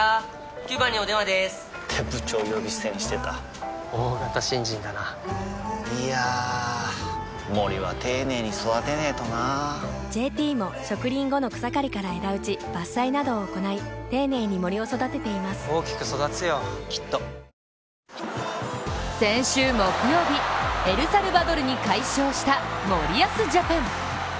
９番にお電話でーす！って部長呼び捨てにしてた大型新人だないやー森は丁寧に育てないとな「ＪＴ」も植林後の草刈りから枝打ち伐採などを行い丁寧に森を育てています大きく育つよきっと先週木曜日、エルサルバドルに快勝した森保ジャパン。